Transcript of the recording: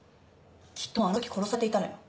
きっともうあのとき殺されていたのよ。